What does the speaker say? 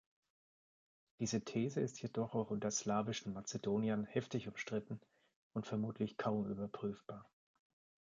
Diese These ist jedoch auch unter slawischen Mazedoniern heftig umstritten und vermutlich kaum überprüfbar.